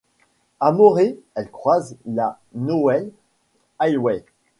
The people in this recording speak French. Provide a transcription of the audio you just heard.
À Moree, elle croise la Newell Highway.